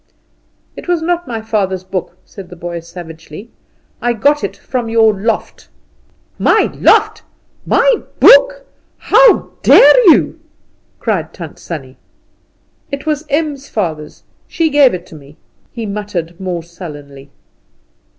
"It was not my father's book," said the boy savagely. "I got it from your loft." "My loft! my book! How dare you?" cried Tant Sannie. "It was Em's father's. She gave it me," he muttered more sullenly.